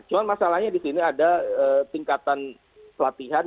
cuma masalahnya di sini ada tingkatan pelatihan